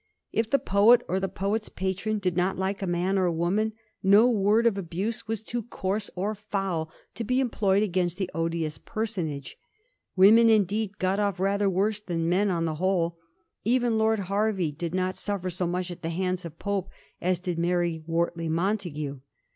If the poet or the poet's patron did not like a man or woman, no word of abuse was too coarse or foul to be employed against the odious personage. Women, indeed, got off rather worse than men on the whole ; even Lord Hervey did not suffer so much at the hands of Pope as did Mary Wortley Montagu.